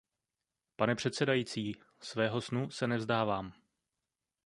Pane předsedající, svého snu se nevzdávám.